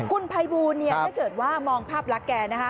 คุณภัยบูลถ้าเกิดว่ามองภาพรักแก่นะคะ